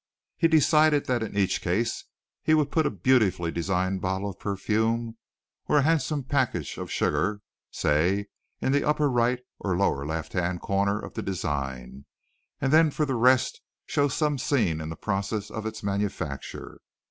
He decided that in each case he would put a beautifully designed bottle of perfume or a handsome package of sugar, say, in the upper right or lower left hand corner of the design, and then for the rest show some scene in the process of its manufacture.